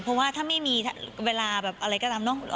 เพราะว่าถ้าไม่มีเวลาแบบอะไรก็ตามเนอะ